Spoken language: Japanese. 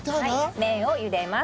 麺を茹でます。